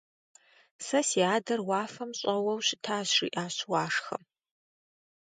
Сэ си адэр уафэм щӀэуэу щытащ, - жиӀащ Уашхэм.